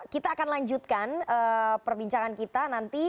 kita akan lanjutkan perbincangan kita nanti